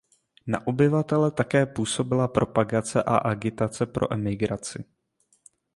Na obyvatele také působila propagace a agitace pro emigraci.